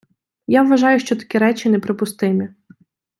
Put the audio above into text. Я вважаю, що такі речі неприпустимі.